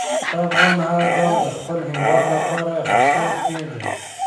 د افغان هر ګام د خپل هېواد لپاره اخیستل کېږي.